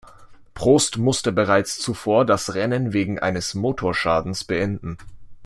Prost musste bereits zuvor das Rennen wegen eines Motorschadens beenden.